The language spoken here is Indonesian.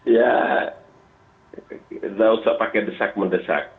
ya tidak usah pakai desak mendesak